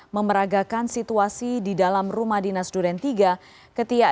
memeragakan situasi di dalam rumah dinas duren tiga